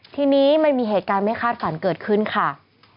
ทีนี้มันมีเหตุการณ์ไม่คาดฝันเกิดขึ้นค่ะ